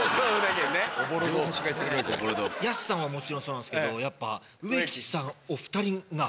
安さんはもちろんそうなんですけどやっぱ上木さんお２人が。